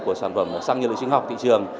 của sản phẩm xăng nhiên liệu sinh học thị trường